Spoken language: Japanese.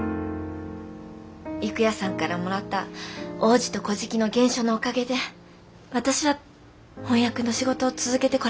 郁弥さんからもらった「王子と乞食」の原書のおかげで私は翻訳の仕事を続けてこられたんです。